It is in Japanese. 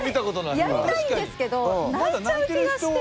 やりたいんですけど泣いちゃう気がして。